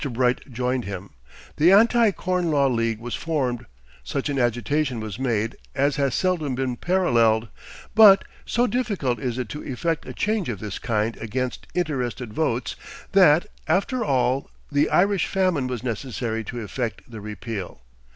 Bright joined him. The Anti Corn Law League was formed; such an agitation was made as has seldom been paralleled; but, so difficult is it to effect a change of this kind against interested votes, that, after all, the Irish famine was necessary to effect the repeal.